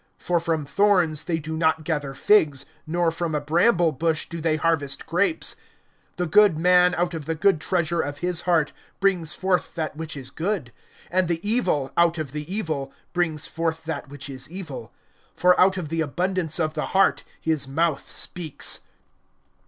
For from thorns they do not gather figs, nor from a bramble bush do they harvest grapes. (45)The good man out of the good treasure of his heart brings forth that which is good; and the evil, out of the evil, brings forth that which is evil; for out of the abundance of the heart his mouth speaks.